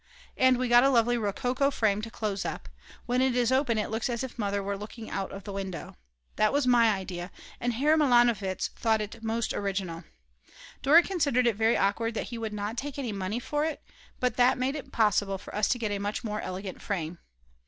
And we got a lovely rococo frame to close up; when it is open it looks as if Mother were looking out of the window. That was my idea, and Herr Milanowitz thought it most original. Dora considered it very awkward that he would not take any money for it, but it made it possible for us to get a much more elegant frame.